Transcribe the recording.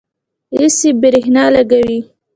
ایسی برښنا لګوي